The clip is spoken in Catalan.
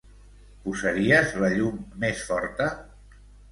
Posaries la llum més forta?